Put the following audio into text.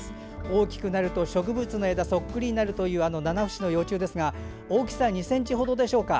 大きくなると植物の枝そっくりになるというあのナナフシの幼虫ですが大きさ２ｃｍほどでしょうか。